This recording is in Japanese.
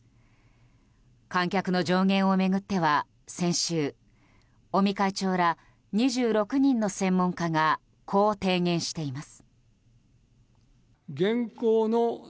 観客の上限を巡っては、先週尾身会長ら２６人の専門家がこう提言しています。